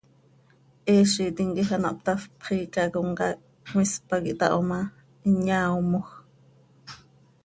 Heezitim quij ano hptafp, xiica comcaac cmis pac ihtaho ma, hin yaaomoj.